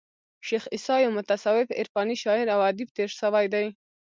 شېخ عیسي یو متصوف عرفاني شاعر او ادیب تیر سوى دئ.